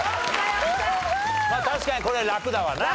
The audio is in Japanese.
確かにこれはラクだわな。